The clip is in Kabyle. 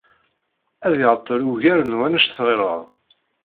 Ad iɛeṭṭel ugar n wanect tɣileḍ.